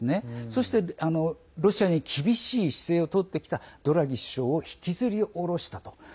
そして、ロシアに厳しい姿勢をとってきたドラギ首相を引きずり降ろしたと。